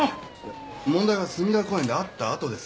問題は墨田公園で会ったあとです。